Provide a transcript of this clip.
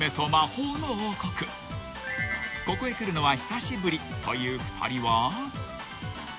［ここへ来るのは久しぶりという２人は］